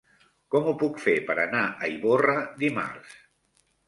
Com ho puc fer per anar a Ivorra dimarts?